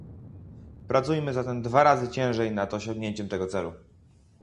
Pracujmy zatem dwa razy ciężej nad osiągnięciem tego celu